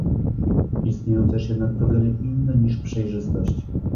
Istnieją też jednak problemy inne niż przejrzystość